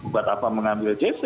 buat apa mengambil gc